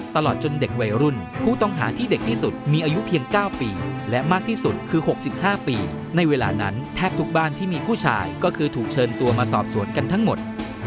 ตลอดจนเด็กวัยรุ่นผู้ต้องหาที่เด็กที่สุดมีอายุเพียง๙ปีและมากที่สุดคือ๖๕ปีในเวลานั้นแทบทุกบ้านที่มีผู้ชายก็คือถูกเชิญตัวมาสอบสวนกันทั้งหมด